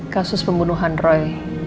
kasus pembunuhan roy